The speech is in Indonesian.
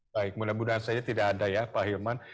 baik mudah mudahan saja tidak ada ya pak hilman